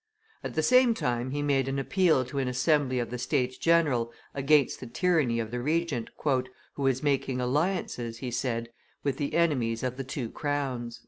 At the same time he made an appeal to an assembly of the States general against the tyranny of the Regent, "who was making alliances," he said, "with the enemies of the two crowns."